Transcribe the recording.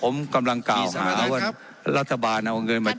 ผมกำลังกล่าวหาว่าท่านประธานครับรัฐบาลเอาเงินมา